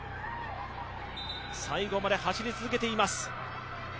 最後まで走り続けています。